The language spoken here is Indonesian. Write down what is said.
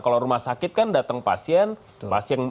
kalau rumah sakit kan datang pasien pasien